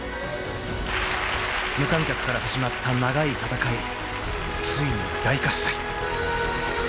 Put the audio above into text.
［無観客から始まった長い戦いついに］